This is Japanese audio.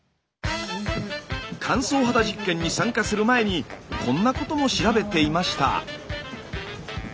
乾燥肌実験に参加する前にこんなことも調べていました。